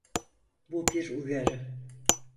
Bu bir uyarı.